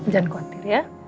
jangan khawatir ya